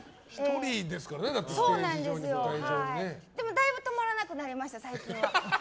だいぶ止まらなくなりました最近は。